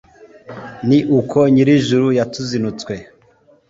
ni uko nyir'ijuru yatuzinutswe